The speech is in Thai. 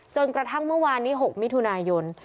จนกระทั่งเมื่อวานนี้๖มิถุนายน